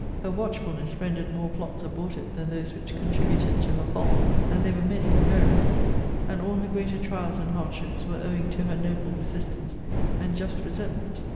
Her watchfulness rendered more plots abortive than those which contributed to her fall; and they were many and various. And all her greater trials and hardships were owing to her noble resistance and just resentment.